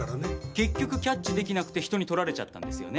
結局キャッチ出来なくて他人に取られちゃったんですよね。